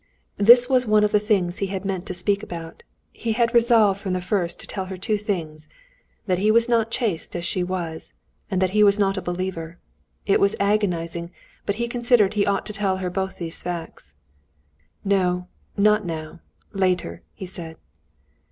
This was one of the things he had meant to speak about. He had resolved from the first to tell her two things—that he was not chaste as she was, and that he was not a believer. It was agonizing, but he considered he ought to tell her both these facts. "No, not now, later!" he said.